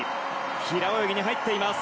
平泳ぎに入っています。